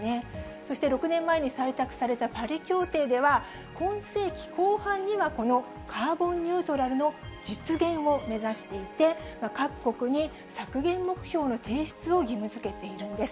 そして６年前に採択されたパリ協定では、今世紀後半にはこのカーボンニュートラルの実現を目指していて、各国に削減目標の提出を義務づけているんです。